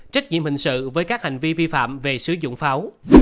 trách nhiệm hình sự với các hành vi vi phạm về sử dụng pháo